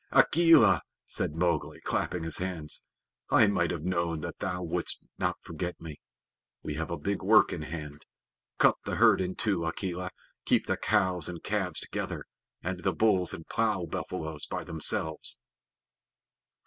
Akela!" said Mowgli, clapping his hands. "I might have known that thou wouldst not forget me. We have a big work in hand. Cut the herd in two, Akela. Keep the cows and calves together, and the bulls and the plow buffaloes by themselves."